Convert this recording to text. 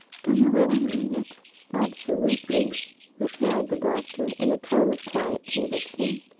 "Do you really mean it?" "Absolutely," replied the doctor in a tone of quiet conviction.